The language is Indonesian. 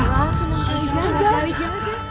kanjeng sunan kali jaga